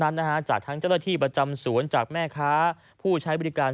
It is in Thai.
นั้นนะฮะจากทั้งจรฐีประจำสวนจากแม่ค้าผู้ใช้บริการ